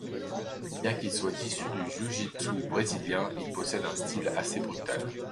Bien qu'il soit issu du jiu-jitsu brésilien, il possède un style assez brutal.